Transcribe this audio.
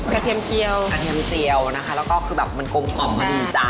กระเทียมเกี่ยวนะคะแล้วก็คือแบบมันกลมกล่อมพอดีจ๊ะ